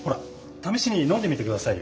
ためしに飲んでみて下さいよ。